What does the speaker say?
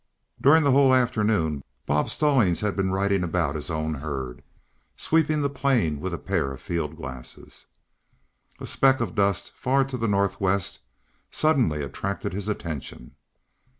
During the whole afternoon, Bob Stallings had been riding about his own herd, sweeping the plain with a pair of field glasses. A speck of dust far to the northwest suddenly attracted his attention.